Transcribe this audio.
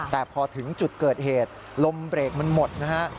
แต่พอถึงจุดเกิดเหตุลมเบรกมันหมดนะฮะ